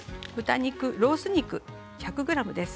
ロース肉１００ｇです。